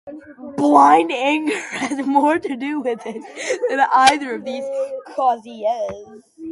Blind anger has more to do with it than either of these causes.